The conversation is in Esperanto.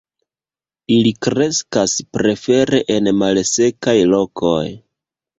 Ili kreskas prefere en malsekaj lokoj.